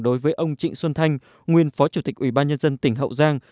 đối với ông trịnh xuân thanh nguyên phó chủ tịch ủy ban nhân dân tỉnh hậu giang